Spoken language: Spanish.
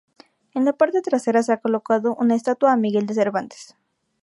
En la parte trasera se ha colocado una estatua a Miguel de Cervantes.